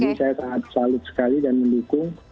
jadi saya sangat salut sekali dan mendukung